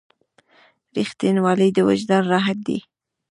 • رښتینولی د وجدان راحت دی.